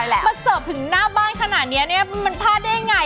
มาเสิร์ฟถึงหน้าบ้านขนาดนี้เนี่ยมันพลาดได้ไง